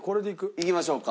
いきましょうか。